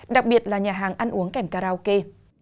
đặc biệt là nhà hàng ăn uống kèm karaoke